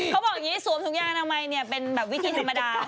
เขาบอกอย่างงี้สวมทุกอย่างออกมาเนี่ยเป็นแบบวิธีธรรมดา